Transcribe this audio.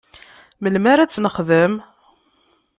Melmi ara ad tt-nexdem?